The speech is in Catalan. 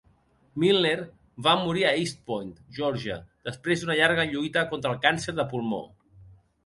Milner va morir a East Point, Georgia, després d'una llarga lluita contra el càncer de pulmó.